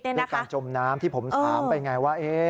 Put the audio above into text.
เรื่องการจมน้ำที่ผมถามเป็นอย่างไรว่า